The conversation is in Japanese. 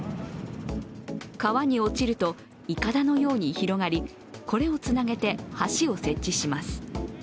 川に落ちるといかだのように広がり、これをつなげて橋を設置します。